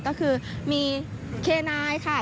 ก็คือมีเคนายค่ะ